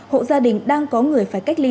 hộ gia đình đang có người phải cách ly